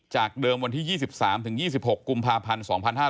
จากเดิมวันที่๒๓๒๖กุมภาพันธ์๒๕๕๙